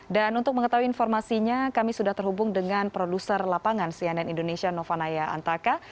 untuk mengetahui informasinya kami sudah terhubung dengan produser lapangan cnn indonesia novanaya antaka